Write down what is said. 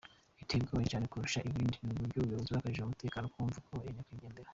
Igiteye ubwoba cyane kurusha ibindi, ni uburyo ubuyobozi bwakajije umutekano ku mva ya nyakwigendera.